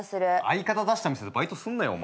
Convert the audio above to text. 相方出した店でバイトすんなよ。